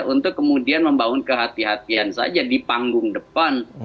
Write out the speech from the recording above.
untuk kemudian membangun kehatian saja di panggung depan